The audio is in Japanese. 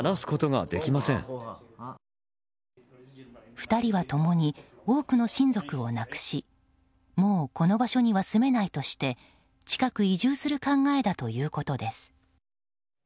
２人は共に多くの親族を亡くしもう、この場所には住めないとして近く、移住する考えだということです。